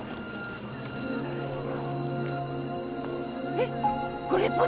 えっこれっぽっち？